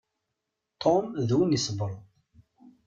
Tom d win isebbṛen.